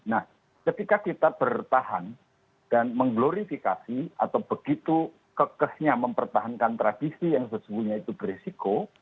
nah ketika kita bertahan dan mengglorifikasi atau begitu kekehnya mempertahankan tradisi yang sesungguhnya itu beresiko